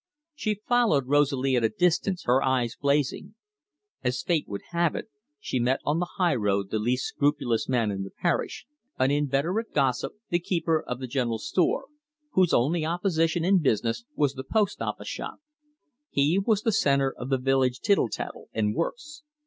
She followed Rosalie at a distance, her eyes blazing. As fate would have it, she met on the highroad the least scrupulous man in the parish, an inveterate gossip, the keeper of the general store, whose only opposition in business was the post office shop. He was the centre of the village tittle tattle, and worse.